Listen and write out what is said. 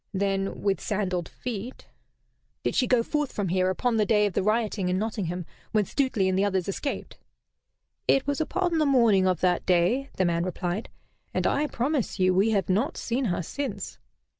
Then with sandalled feet " "Did she go forth from here upon the day of the rioting in Nottingham, when Stuteley and the others escaped?" "It was upon the morning of that day," the man replied; "and I promise you, we have not seen her since."